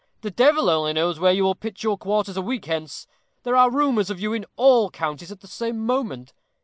The devil only knows where you will pitch your quarters a week hence. There are rumors of you in all counties at the same moment.